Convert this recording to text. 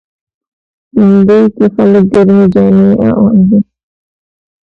لېندۍ کې خلک ګرمې جامې اغوندي.